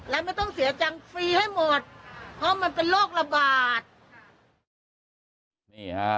และไม่ต้องเสียจังฟรีให้หมดเพราะมันเป็นโรคนาบาล